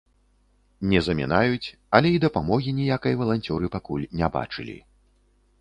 Не замінаюць, але і дапамогі ніякай валанцёры пакуль не бачылі.